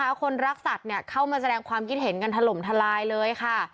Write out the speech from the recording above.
ถ้าไม่รักสัตว์เข้ามาแสดงความคิดเห็นกันทะลมทลายเลยค่ะ